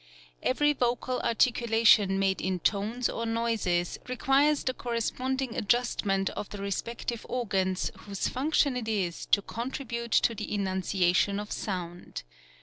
Every vocal articulation made in tones or noises requires the corresponding adjustment of the respective organs whose function it is to contribute to the enunciation of sound.